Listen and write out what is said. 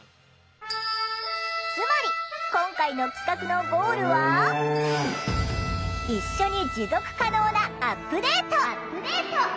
つまり今回の企画のゴールは「一緒に持続可能なアップデート」。